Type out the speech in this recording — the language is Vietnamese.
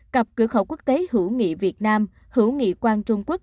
cặp cửa khẩu quốc tế hữu nghị việt nam hữu nghị quan trung quốc